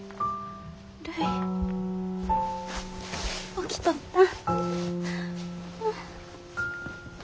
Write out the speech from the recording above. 起きとったん？